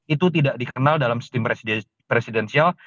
itu tidak dikenal dalam sistem presidensial